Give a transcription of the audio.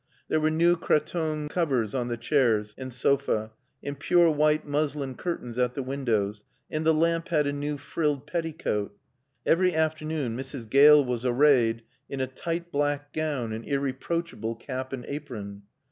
There were new cretonne covers on the chairs and sofa, and pure white muslin curtains at the windows, and the lamp had a new frilled petticoat. Every afternoon Mrs. Gale was arrayed in a tight black gown and irreproachable cap and apron.